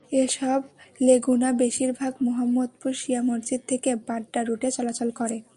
এসব লেগুনা বেশির ভাগ মোহাম্মদপুর শিয়া মসজিদ থেকে বাড্ডা রুটে চলাচল করে।